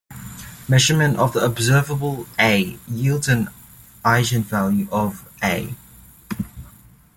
Measurement of the observable "A" yields an eigenvalue of "A".